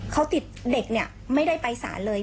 เขาติดเด็กเนี่ยไม่ได้ไปสารเลย